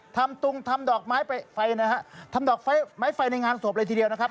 ทำตุงทำดอกไม้ไฟในงานศพเลยทีเดียวนะครับ